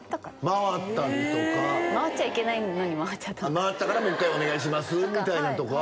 回ったからもう１回お願いしますみたいなんとか？